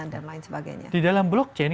dan lain sebagainya di dalam blockchain